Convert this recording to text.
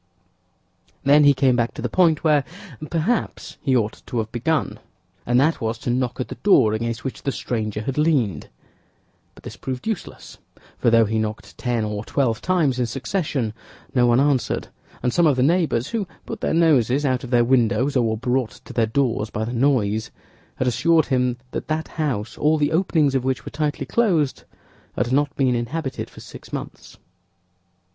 Then he came back to the point where, perhaps, he ought to have begun, and that was to knock at the door against which the stranger had leaned; but this proved useless—for though he knocked ten or twelve times in succession, no one answered, and some of the neighbors, who put their noses out of their windows or were brought to their doors by the noise, had assured him that that house, all the openings of which were tightly closed, had not been inhabited for six months.